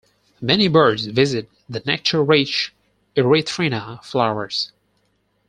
Many birds visit the nectar-rich "Erythrina" flowers.